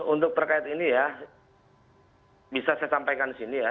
untuk terkait ini ya bisa saya sampaikan di sini ya